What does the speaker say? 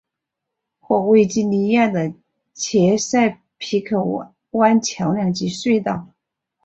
和维吉尼亚的切塞皮克湾桥梁及隧道。